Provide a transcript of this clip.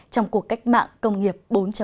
trong cuộc cách mạng công nghiệp bốn